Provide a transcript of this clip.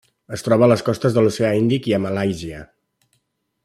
Es troba a les costes de l'Oceà Índic i a Malàisia.